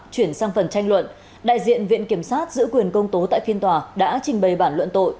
chuyển sang phần tranh luận đại diện viện kiểm sát giữ quyền công tố tại phiên tòa đã trình bày bản luận tội